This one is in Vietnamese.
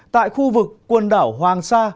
tại khu vực quần đảo hoàng sa